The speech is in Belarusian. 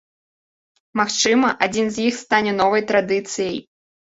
Магчыма, адзін з іх стане новай традыцыяй.